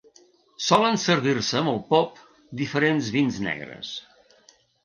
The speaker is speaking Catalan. Solen servir-se amb el pop diferents vins negres.